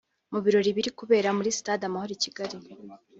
mu birori biri kubera muri stade Amahoro i Kigali